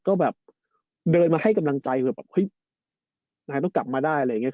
ก็แบบเดินมาให้กำลังใจแบบเฮ้ยนายต้องกลับมาได้อะไรอย่างนี้